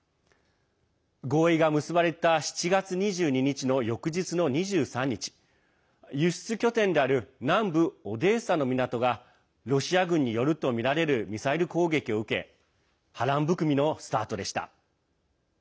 合意が結ばれた７月２２日の翌日の２３日輸出拠点である南部オデーサの港がロシア軍によるとみられるミサイル攻撃を受け波乱含みのスタートでした。